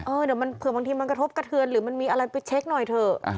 เดี๋ยวมันเผื่อบางทีมันกระทบกระเทือนหรือมันมีอะไรไปเช็คหน่อยเถอะ